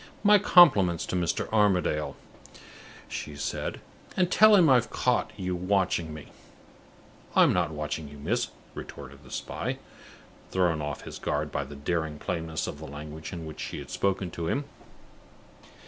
"My compliments to Mr. Armadale," she said, "and tell him I've caught you watching me." "I'm not watching you, miss," retorted the spy, thrown off his guard by the daring plainness of the language in which she had spoken to him.